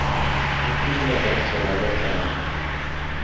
Мин тиҙ генә барып салбарҙы ҡараным.